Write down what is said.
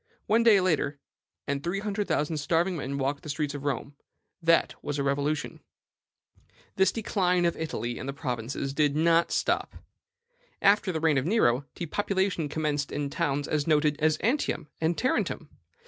One day later, and three hundred thousand starving men walked the streets of Rome: that was a revolution. "This decline of Italy and the provinces did not stop. After the reign of Nero, depopulation commenced in towns as noted as Antium and Tarentum.